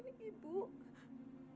kamu bukan ibu saya